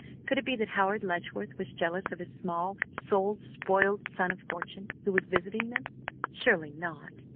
Could it be that Howard Letchworth was jealous of this small souled, spoiled son of fortune who was visiting them? Surely not.